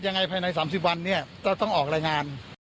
ภายใน๓๐วันเนี่ยจะต้องออกรายงาน